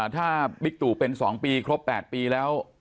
ถ้าบิ๊กตู่เป็น๒ปีครบ๘ปีแล้ว